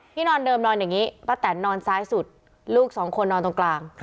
นอนเดิมนอนอย่างนี้ป้าแตนนอนซ้ายสุดลูกสองคนนอนตรงกลาง